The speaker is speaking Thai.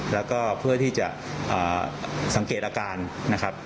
แล้วก็เพื่อที่จะสังเกตอาการนะครับ